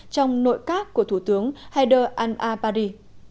trong nội các của thủ tướng haider al abadi